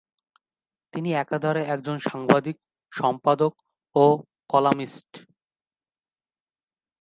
তিনি একাধারে একজন সাংবাদিক, সম্পাদক ও কলামিস্ট।